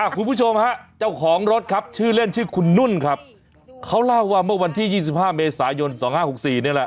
คุณผู้ชมฮะเจ้าของรถครับชื่อเล่นชื่อคุณนุ่นครับเขาเล่าว่าเมื่อวันที่๒๕เมษายน๒๕๖๔นี่แหละ